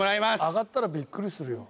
上がったらびっくりするよ。